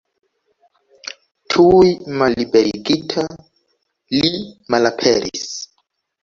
Tuj malliberigita, li malaperis.